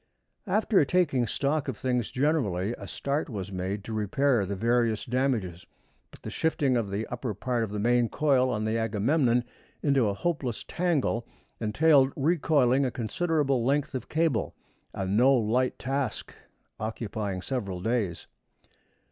After taking stock of things generally, a start was made to repair the various damages; but the shifting of the upper part of the main coil on the Agamemnon into a hopeless tangle entailed recoiling a considerable length of cable, a no light task, occupying several days.